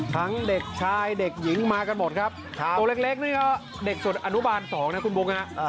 เด็กชายเด็กหญิงมากันหมดครับตัวเล็กนี่ก็เด็กสุดอนุบาล๒นะคุณบุ๊คฮะ